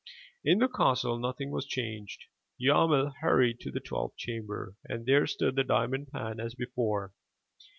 In the castle nothing was changed. Yarmil hurried to the twelfth chamber and there stood the diamond pan as before.